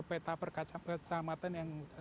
peta perkacaman yang